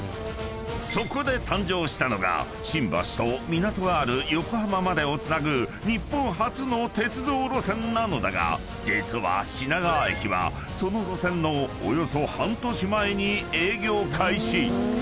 ［そこで誕生したのが新橋と港がある横浜までをつなぐ日本初の鉄道路線なのだが実は品川駅はその路線のおよそ半年前に営業開始］